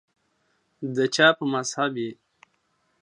دچا په مذهب یی